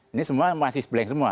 ini semua masih blank semua